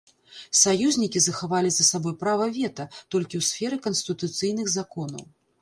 Саюзнікі захавалі за сабой права вета толькі ў сферы канстытуцыйных законаў.